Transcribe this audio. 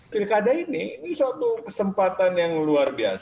pilkada ini ini suatu kesempatan yang luar biasa